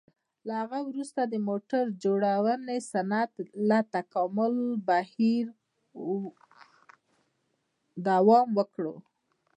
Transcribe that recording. له هغه وروسته د موټر جوړونې صنعت د تکامل بهیر دوام وکړ.